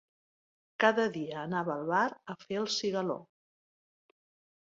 Cada dia anava al bar a fer el cigaló.